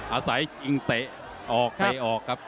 อาศัยจริงเตะ